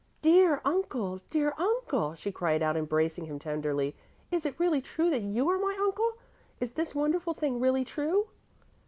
"Dear uncle, dear uncle!" she cried out, embracing him tenderly. "Is it really true that you are my uncle? Is this wonderful thing really true?"